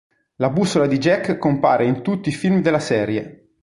La bussola di Jack compare in tutti i film della serie.